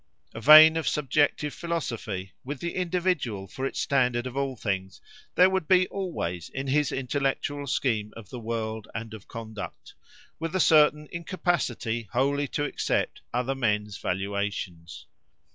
A vein of subjective philosophy, with the individual for its standard of all things, there would be always in his intellectual scheme of the world and of conduct, with a certain incapacity wholly to accept other men's valuations.